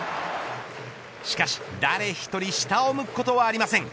しかし、誰１人下を向くことはありません。